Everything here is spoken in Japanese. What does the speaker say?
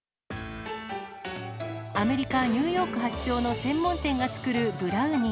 アメリカ・ニューヨーク発祥の専門店が作るブラウニー。